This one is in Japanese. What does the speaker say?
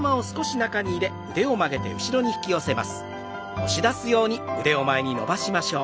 押し出すように前に伸ばしましょう。